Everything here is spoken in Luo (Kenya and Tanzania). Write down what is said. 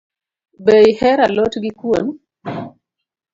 Be ihero a lot gi kuon